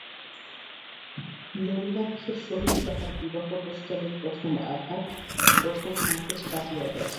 নলিনাক্ষের সহিত তাহার বিবাহ-প্রস্তাবের প্রথম আঘাত, প্রথম সংকোচ কাটিয়া গেছে।